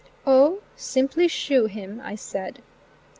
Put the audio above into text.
"O, simply shoe him," I said.